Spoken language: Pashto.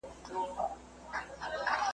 دا هغه توپان راغلی چي په خوب کي مي لیدلی ,